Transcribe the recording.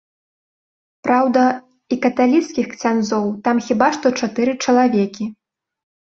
Праўда, і каталіцкіх ксяндзоў там хіба што чатыры чалавекі.